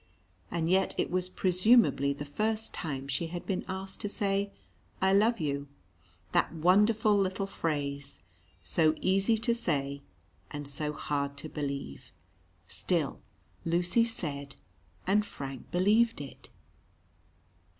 And yet it was presumably the first time she had been asked to say: "I love you" that wonderful little phrase, so easy to say and so hard to believe. Still, Lucy said and Frank believed it.